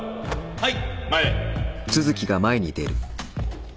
はい。